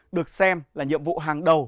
được xem là nhiệm vụ hàng đầu